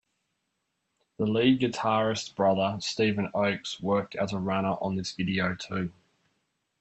The lead guitarist's brother, Stephen Oakes, worked as a runner on this video too.